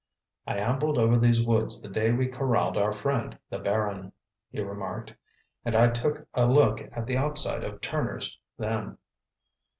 "I ambled over these woods the day we corralled our friend the Baron," he remarked. "And I took a look at the outside of Turner's then.